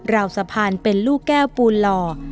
ราวสะพานเป็นลูกแก้วปูนหล่อ